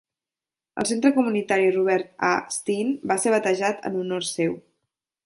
El centre comunitari Robert A. Steen va ser batejat en honor seu.